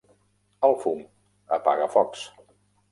El fum apaga focs.